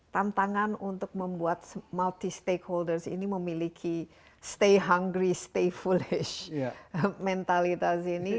tantangan untuk membuat multi stakeholders ini memiliki stay hungry stay foolish mentalitas ini